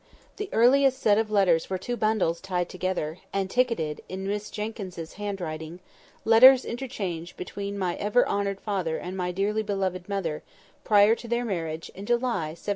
The earliest set of letters were two bundles tied together, and ticketed (in Miss Jenkyns's handwriting) "Letters interchanged between my ever honoured father and my dearly beloved mother, prior to their marriage, in July 1774."